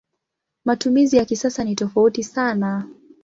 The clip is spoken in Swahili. Matumizi ya kisasa ni tofauti sana.